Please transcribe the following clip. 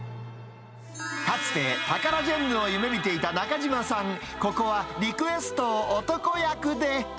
かつて、タカラジェンヌを夢みていた中島さん、ここはリクエストを男役で。